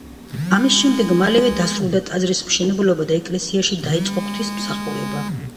ამის შემდეგ მალევე დასრულდა ტაძრის მშენებლობა და ეკლესიაში დაიწყო ღვთისმსახურება.